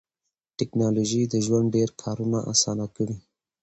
ټکنالوژي د ژوند ډېر کارونه اسانه کړي